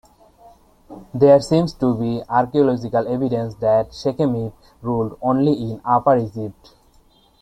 There seems to be archaeological evidence that Sekhemib ruled only in Upper Egypt.